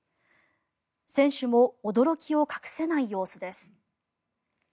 選手も驚きを隠せない様子です。